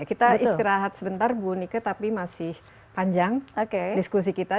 kita istirahat sebentar bu nike tapi masih panjang diskusi kita